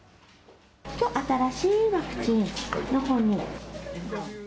きょう新しいワクチンのほうに。